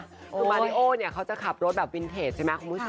คือมาริโอเนี่ยเขาจะขับรถแบบวินเทจใช่ไหมคุณผู้ชม